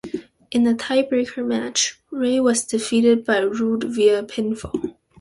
In the tiebreaker match, Ray was defeated by Roode via pinfall.